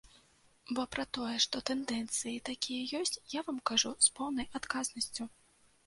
Бо пра тое, што тэндэнцыі такія ёсць, я вам кажу з поўнай адказнасцю.